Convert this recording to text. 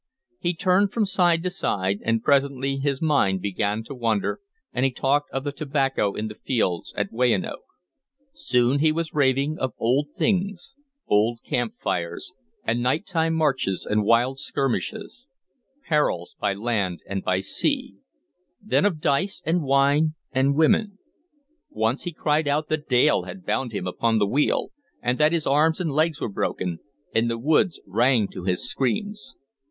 He turned from side to side, and presently his mind began to wander, and he talked of the tobacco in the fields at Weyanoke. Soon he was raving of old things, old camp fires and night time marches and wild skirmishes, perils by land and by sea; then of dice and wine and women. Once he cried out that Dale had bound him upon the wheel, and that his arms and legs were broken, and the woods rang to his screams.